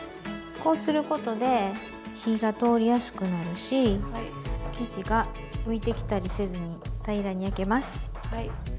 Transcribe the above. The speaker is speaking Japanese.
こうすることで火が通りやすくなるし生地が浮いてきたりせずに平らに焼けます。